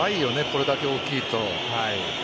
これだけ大きいと。